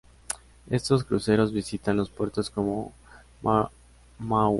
Estos cruceros visitan los puertos como Maui, Kona, Hilo, y Kauai.